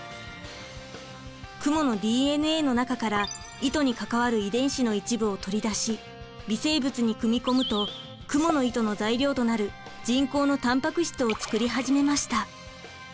クモのＤＮＡの中から糸に関わる遺伝子の一部を取り出し微生物に組み込むとクモの糸の材料となる人工のたんぱく質を作り始めました。